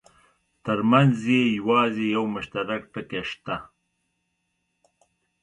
ترمنځ یې یوازې یو مشترک ټکی شته.